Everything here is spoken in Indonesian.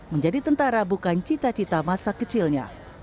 jujurnya itu bukan cita cita masa kecilnya